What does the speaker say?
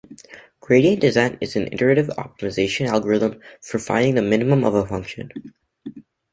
Gradient descent is a iterative optimization algorithm for finding the minimum of a function.